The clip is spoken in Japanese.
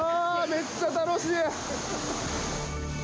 めっちゃ楽しい。